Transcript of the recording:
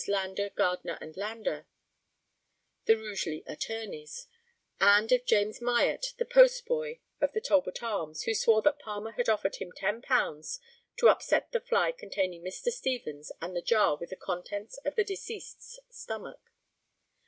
Landor, Gardner, and Landor, the Rugeley attorneys; and of James Myatt, the postboy of the Talbot Arms, who swore that Palmer had offered him £10 to upset the fly containing Mr. Stevens and the jar with the contents of the deceased's stomach.